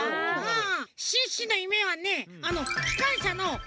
シュッシュの夢はね